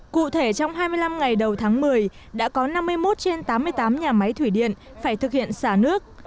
cụ thể trong hai mươi năm ngày đầu tháng một mươi đã có năm mươi một trên tám mươi tám nhà máy thủy điện phải thực hiện xả nước